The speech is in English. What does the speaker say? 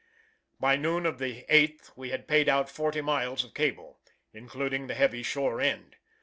By noon of the 8th we had paid out 40 miles of cable, including the heavy shore end.